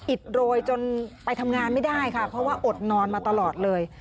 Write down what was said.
อิดโรยจนไปทำงานไม่ได้ค่ะเพราะว่าอดนอนมาตลอดเลย